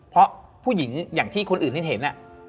เพราะผู้หญิงอย่างที่คนอื่นที่เห็น